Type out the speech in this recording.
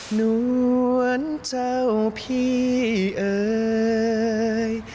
นวลเจ้าพี่เอ่ย